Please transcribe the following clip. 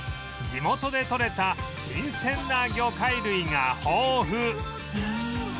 地元で獲れた新鮮な魚介類が豊富